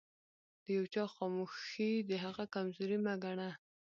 د يوچا خاموښي دهغه کمزوري مه ګنه